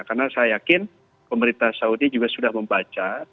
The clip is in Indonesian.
karena saya yakin pemerintah saudi juga sudah membaca